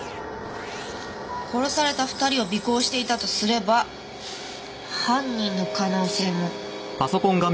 殺された２人を尾行していたとすれば犯人の可能性も。